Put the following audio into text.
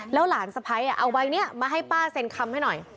แล้วหลานสะพ้ายเอาใบนี้มาให้ป้าเซ็นคำให้หน่อย